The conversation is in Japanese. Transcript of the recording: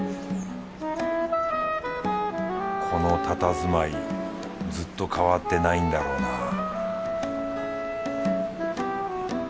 この佇まいずっと変わってないんだろうな